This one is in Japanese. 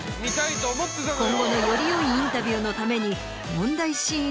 今後のよりよいインタビューのために。